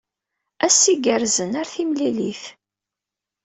Ass igerrzen. Ar timlilit.